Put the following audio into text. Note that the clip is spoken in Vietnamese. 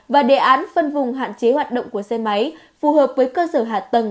và đề án phân vùng hạn chế hoạt động của xe máy phù hợp với cơ sở hạ tầng